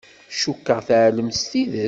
Cukkeɣ teɛlem s tidet.